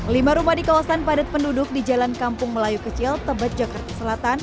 lima rumah di kawasan padat penduduk di jalan kampung melayu kecil tebet jakarta selatan